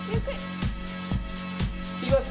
行きます！